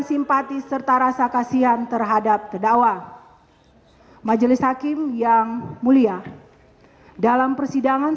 simpati serta rasa kasihan terhadap terdakwa majelis hakim yang mulia dalam persidangan